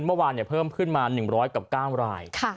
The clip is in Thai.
เมื่อวานเพิ่มขึ้นมา๑๐๐กับ๙ราย